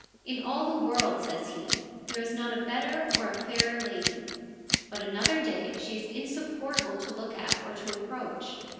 In all the world,' says he, ' there is not better or a fairer lady.' But another day she is insupportable to look at or to approach.